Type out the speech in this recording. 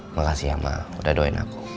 makasih ya ma udah doain aku